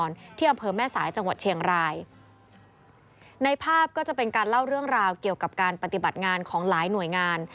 ในภาพก็จะเป็นการเล่าเรื่องราวเกี่ยวกับการปฏิบัติงานของหลายหน่วยงาน